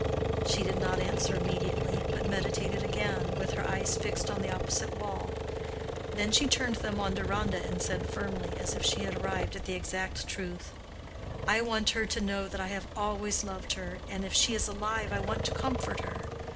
She did not answer immediately, but meditated again, with her eyes fixed on the opposite wall. Then she turned them on Deronda and said firmly, as if she had arrived at the exact truth, "I want her to know that I have always loved her, and if she is alive I want to comfort her.